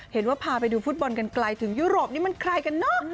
พาไปดูฟุตบอลกันไกลถึงยุโรปนี่มันใครกันเนอะ